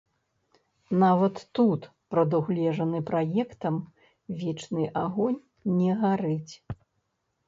Нават тут прадугледжаны праектам вечны агонь не гарыць.